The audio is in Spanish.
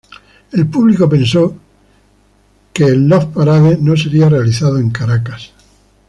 El público pensó que el Love Parade no sería realizado en Caracas.